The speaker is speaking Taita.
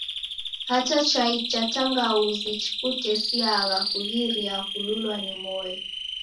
Hata chai cha tangauzi chikutesiagha kughiria kululwa ni moyo.